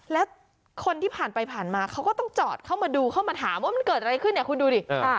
แล้วคนที่ผ่านไปผ่านมาเขาก็ต้องจอดเข้ามาดูเข้ามาถามว่ามันเกิดอะไรขึ้นเนี่ยคุณดูดิ